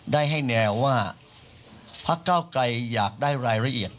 ได้ให้แนวว่าพักเก้าไกลอยากได้รายละเอียด